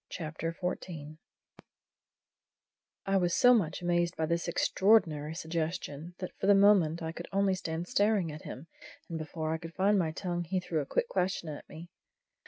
CHAPTER XIV DEAD MAN'S MONEY I was so much amazed by this extraordinary suggestion, that for the moment I could only stand staring at him, and before I could find my tongue he threw a quick question at me.